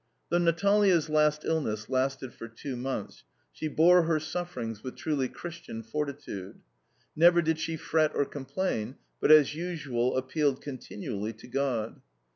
Though Natalia's last illness lasted for two months, she bore her sufferings with truly Christian fortitude. Never did she fret or complain, but, as usual, appealed continually to God.